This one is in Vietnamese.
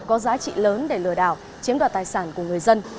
có giá trị lớn để lừa đảo chiếm đoạt tài sản của người dân